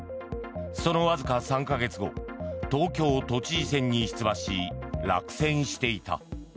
そのわずか３か月後東京都知事選に出馬し落選していた。